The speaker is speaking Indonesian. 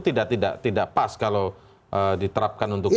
tidak tidak pas kalau diterapkan untuk